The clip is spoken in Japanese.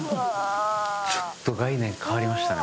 ちょっと概念変わりましたね